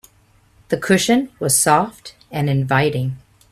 The cushion was soft and inviting.